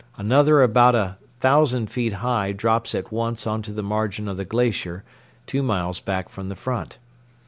Another about a thousand feet high drops at once on to the margin of the glacier two miles back from the front.